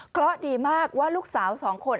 เพราะดีมากว่าลูกสาวสองคน